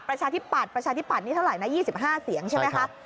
ประชาทิพัฒน์ประชาทิพัฒน์นี่เท่าไหร่นะ๒๕เสียงใช่ไหมครับ